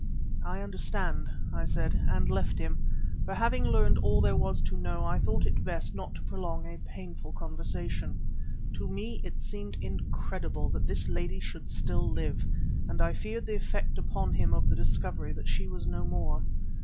"I understand," I said and left him, for having learned all there was to know, I thought it best not to prolong a painful conversation. To me it seemed incredible that this lady should still live, and I feared the effect upon him of the discovery that she was no more.